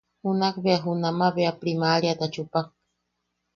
Junakbea junama bea priMaríata chupak.